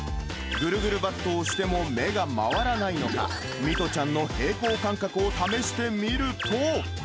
ぐるぐるバットをしても目が回らないのか、弥都ちゃんの平衡感覚を試してみると。